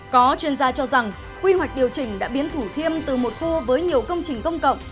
có chuyên gia cho rằng quy hoạch điều chỉnh đã biến thủ thiêm từ một khô với nhiều công trình công cộng